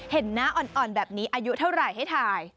เห็นหน้าอ่อนแบบนี้อายุเท่าไหร่ให้ถ่าย